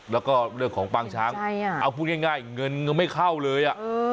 แล้วก็เรื่องของปางช้างเอาพูดง่ายเงินก็ไม่เข้าเลย